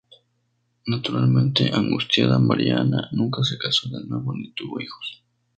Naturalmente angustiada, María Ana nunca se casó de nuevo ni tuvo hijos.